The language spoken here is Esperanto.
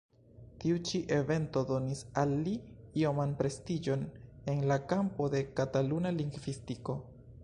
Tiu ĉi evento donis al li ioman prestiĝon en la kampo de Kataluna lingvistiko.